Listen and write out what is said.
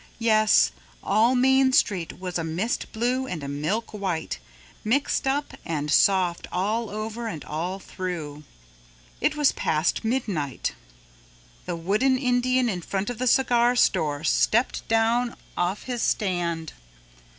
Yes, all Main Street was a mist blue and a milk white, mixed up and soft all over and all through. It was past midnight. The Wooden Indian in front of the cigar store stepped down off his stand.